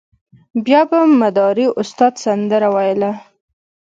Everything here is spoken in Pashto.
بیا به مداري استاد سندره ویله.